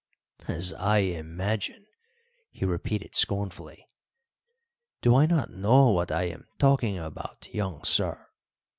"As I imagine!" he repeated scornfully. "Do I not know what I am talking about, young sir?